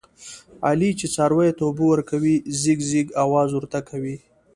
علي چې څارویو ته اوبه ورکوي، ځیږ ځیږ اواز ورته کوي.